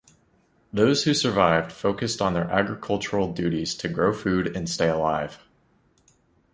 Those who survived focused on their agricultural duties to grow food and stay alive.